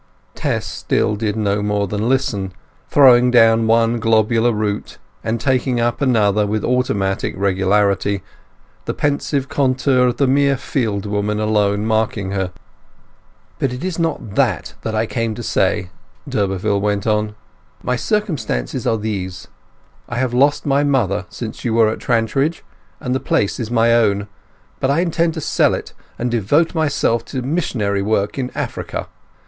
Tess still did no more than listen, throwing down one globular root and taking up another with automatic regularity, the pensive contour of the mere fieldwoman alone marking her. "But it is not that I came to say," d'Urberville went on. "My circumstances are these. I have lost my mother since you were at Trantridge, and the place is my own. But I intend to sell it, and devote myself to missionary work in Africa.